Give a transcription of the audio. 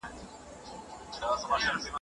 راتلونکی نور ځوابونه راوړي.